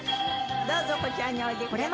どうぞこちらにおいでください。